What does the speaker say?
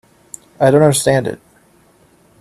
I don't understand it.